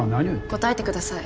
答えてください。